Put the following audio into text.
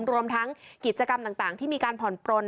รวมทั้งกิจกรรมต่างที่มีการผ่อนปลน